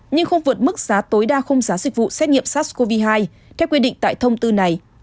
nhưng không vượt mức giá tối đa không giá dịch vụ xét nghiệm sars cov hai theo quy định tại thông tư này